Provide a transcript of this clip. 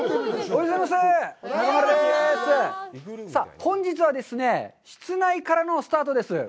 本日はですね、室内からのスタートです。